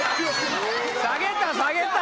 下げた下げた。